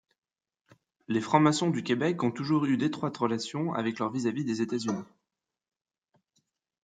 Les francs-maçons du Québec ont toujours eu d'étroites relations avec leurs vis-à-vis des États-Unis.